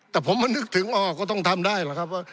แต่ผมมานึกถึงอ้อก็ต้องทำได้เหรอครับ